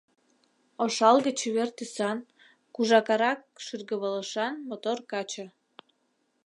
Ошалге-чевер тӱсан, кужакарак шӱргывылышан мотор каче.